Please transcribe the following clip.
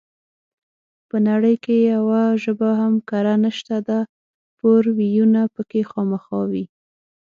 په نړۍ کې يوه ژبه هم کره نشته ده پور وييونه پکې خامخا وي